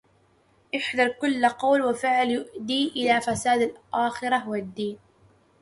احذر كلّ قول وفعل يؤدي إلى فساد الآخرة والدّين.